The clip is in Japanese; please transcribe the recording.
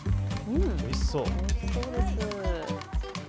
おいしそうです。